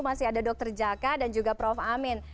masih ada dr jaka dan juga prof amin